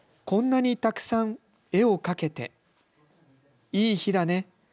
こんなにたくさんえをかけていいひだね